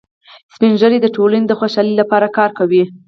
سپین ږیری د ټولنې د خوشحالۍ لپاره کار کوي